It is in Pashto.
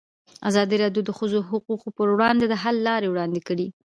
ازادي راډیو د د ښځو حقونه پر وړاندې د حل لارې وړاندې کړي.